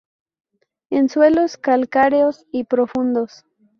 En suelos calcáreos y profundos.